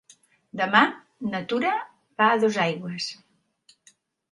Demà na Tura va a Dosaigües.